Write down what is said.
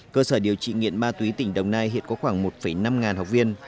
cơ sở điều trị nghiện ma túy tỉnh đồng nai hiện có khoảng một năm ngàn học viên